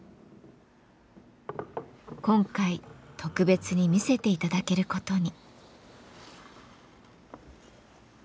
今回特別に見せていただけることに。